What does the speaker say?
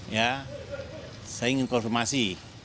saya ingin konfirmasi